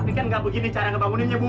ini kan nggak begini cara ngebanguninnya bu